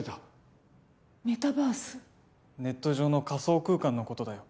ネット上の仮想空間の事だよ。